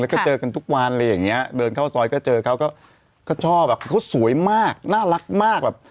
แล้วก็เจอกันทุกวันเดินเข้าซอยก็เจอกันเขาก็ชอบแบบเขาสวยมากน่ารักมาก